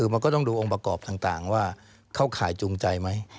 มันก็ต้องดูองค์ประกอบต่างว่าเข้าข่ายจูงใจไหม